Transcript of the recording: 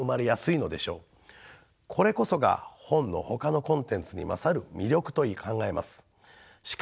これこそが本のほかのコンテンツに勝る魅力と考えます。